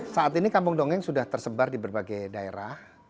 saat ini kampung dongeng sudah tersebar di berbagai daerah